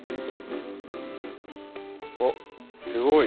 おっすごい。